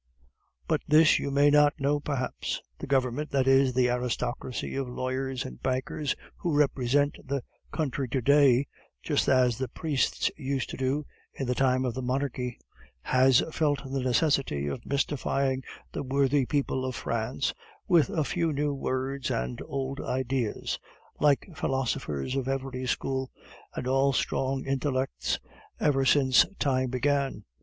But this you may not know perhaps. The Government, that is, the aristocracy of lawyers and bankers who represent the country to day, just as the priests used to do in the time of the monarchy, has felt the necessity of mystifying the worthy people of France with a few new words and old ideas, like philosophers of every school, and all strong intellects ever since time began.